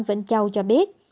vĩnh châu cho biết